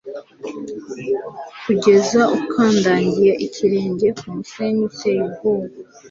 kugeza ukandagiye ikirenge kumusenyi uteye ubwoba